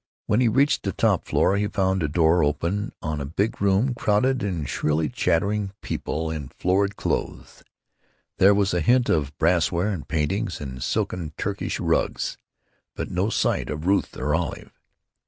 When he reached the top floor he found a door open on a big room crowded with shrilly chattering people in florid clothes. There was a hint of brassware and paintings and silken Turkish rugs. But no sight of Ruth or Olive.